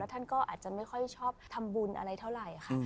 ท่านก็อาจจะไม่ค่อยชอบทำบุญอะไรเท่าไหร่ค่ะ